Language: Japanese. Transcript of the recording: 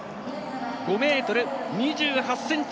５ｍ２８ｃｍ！